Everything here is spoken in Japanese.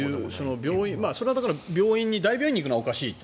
それは大病院に行くのはおかしいと。